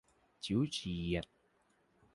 ฉิวเฉียด